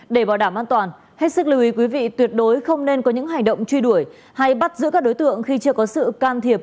để bảo đảm an toàn hết sức lưu ý quý vị tuyệt đối không nên có những hành động truy đuổi hay bắt giữ các đối tượng khi chưa có sự can thiệp